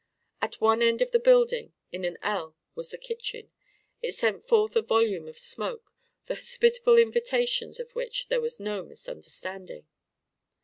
At one end of the building, in an ell, was the kitchen; it sent forth a volume of smoke, the hospitable invitations of which there was no misunderstanding.